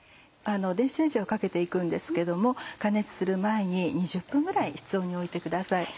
電子レンジをかけて行くんですけども加熱する前に２０分ぐらい室温に置いてください。